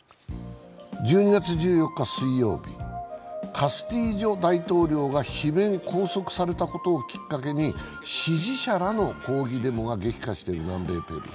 カスティジョ大統領が罷免・拘束されたことをきっかけに支持者らの抗議デモが激化している南米ペルー。